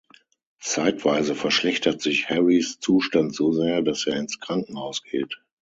Zeitweise verschlechtert sich Harrys Zustand so sehr, dass er ins Krankenhaus geht.